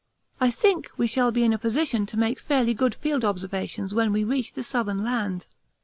I think we shall be in a position to make fairly good field observations when we reach the southern land.